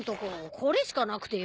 これしかなくてよ。